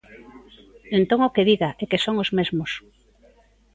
Entón, o que diga, é que son os mesmos!